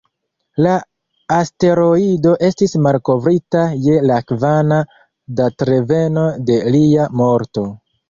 La asteroido estis malkovrita je la kvina datreveno de lia morto.